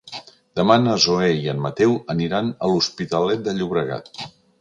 Demà na Zoè i en Mateu aniran a l'Hospitalet de Llobregat.